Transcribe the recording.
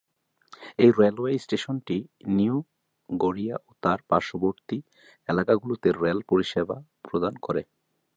এই রেলওয়ে স্টেশনটি নিউ গড়িয়া ও তার পার্শ্ববর্তী এলাকাগুলিতে রেল পরিষেবা প্রদান করে।